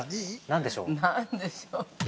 ◆何でしょう？